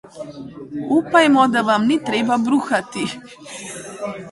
Upajmo, da vam ni treba bruhati.